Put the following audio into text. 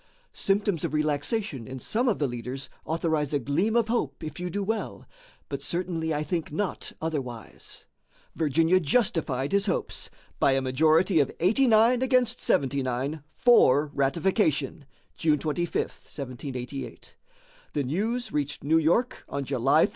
Symptoms of relaxation in some of the leaders authorize a gleam of hope if you do well, but certainly I think not otherwise." Virginia justified his hopes by a majority of 89 against 79 for ratification (June 25, 1788). The news reached New York on July 3.